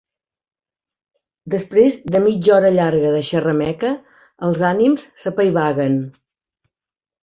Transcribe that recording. Després de mitja hora llarga de xerrameca els ànims s'apaivaguen.